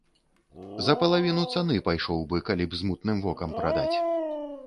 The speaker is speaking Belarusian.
За палавіну цаны пайшоў бы, калі б з мутным вокам прадаць.